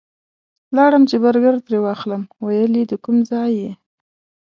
لاړم چې برګر ترې واخلم ویل یې د کوم ځای یې؟